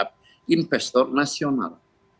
pabrik lagi di kawal